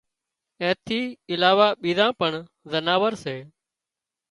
اين ٿِي علاوه ٻيزان پڻ زناورسي